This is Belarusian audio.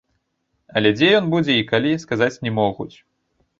Але дзе ён будзе і калі, сказаць не могуць.